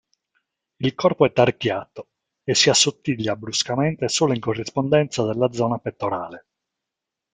Il corpo è tarchiato, e si assottiglia bruscamente solo in corrispondenza della zona pettorale.